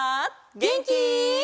げんき？